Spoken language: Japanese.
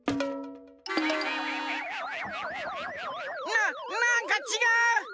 ななんかちがう。